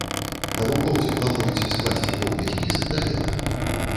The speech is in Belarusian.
Навукоўцы плануюць скласці поўны спіс да лета.